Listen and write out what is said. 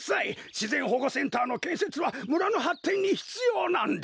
しぜんほごセンターのけんせつは村のはってんにひつようなんだ。